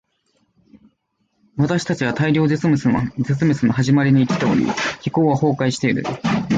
私たちは大量絶滅の始まりに生きており、気候は崩壊している。